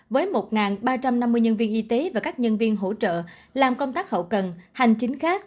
với một ba trăm năm mươi nhân viên y tế và các nhân viên hội